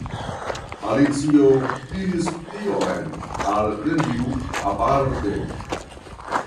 Alicio diris tion al neniu aparte.